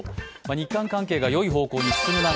日韓関係がよい方向に進む中